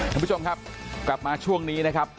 ท่านผู้ชมครับกลับมาช่วงนี้นะครับ